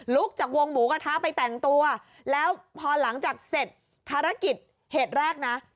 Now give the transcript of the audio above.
จากวงหมูกระทะไปแต่งตัวแล้วพอหลังจากเสร็จภารกิจเหตุแรกนะ